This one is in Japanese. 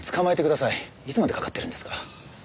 いつまでかかってるんですか。